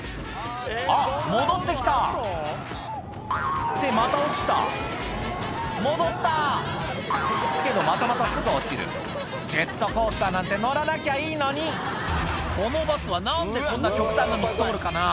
あっ戻って来たってまた落ちた戻ったけどまたまたすぐ落ちるジェットコースターなんて乗らなきゃいいのにこのバスは何でこんな極端な道通るかな？